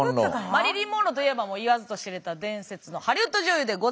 マリリン・モンローといえば言わずと知れた伝説のハリウッド女優でございます。